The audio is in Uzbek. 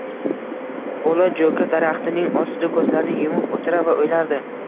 Bola joʻka daraxtining ostida koʻzlarini yumib oʻtirar va oʻylardi.